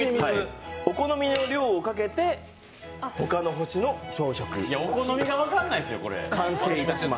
お好みの量をかけて、他の星の朝食が完成いたします。